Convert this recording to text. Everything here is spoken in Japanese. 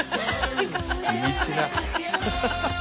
地道な。